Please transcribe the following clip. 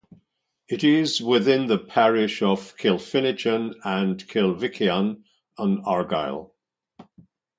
It is within the parish of Kilfinichen and Kilvickeon, in Argyll.